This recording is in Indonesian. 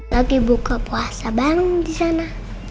lagi buka puasa bareng disana